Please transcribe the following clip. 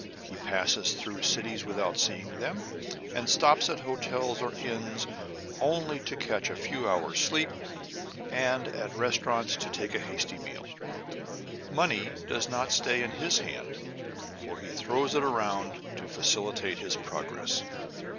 He passes through cities without seeing them, and stops at hotels or inns only to catch a few hours* sleep, and at restaurants to take hasty meals. Money does not stay in his hand, for he throws it around to facilitate his progress.